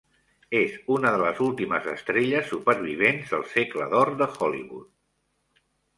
És una de les últimes estrelles supervivents del Segle d'Or de Hollywood.